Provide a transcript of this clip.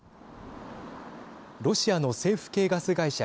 ロシアの政府系ガス会社